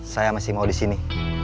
saya masih mau di sini